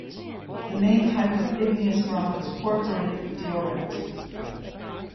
The main type of igneous rock is porphyritic diorite.